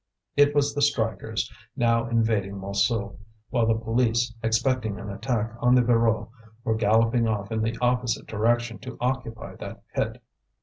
It was the strikers, now invading Montsou, while the police, expecting an attack on the Voreux, were galloping off in the opposite direction to occupy that pit.